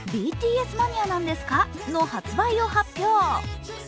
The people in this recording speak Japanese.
ＢＴＳマニアなんですか」の発売を発表。